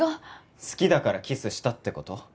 好きだからキスしたってこと？